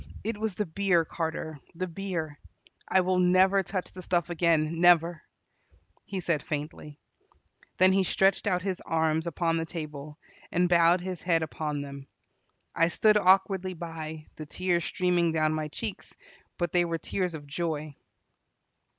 It was the beer, Carter, the beer. I will never touch the stuff again, never," he said faintly. Then he stretched out his arms upon the table, and bowed his head upon them. I stood awkwardly by, the tears streaming down my cheeks, but they were tears of joy.